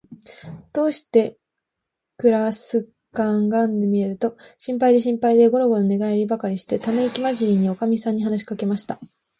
どうしてくらすかかんがえると、心配で心配で、ごろごろ寝がえりばかりして、ためいきまじりに、おかみさんに話しかけました。